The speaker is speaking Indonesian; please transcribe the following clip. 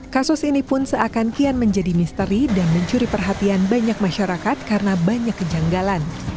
kasus ini pun seakan kian menjadi misteri dan mencuri perhatian banyak masyarakat karena banyak kejanggalan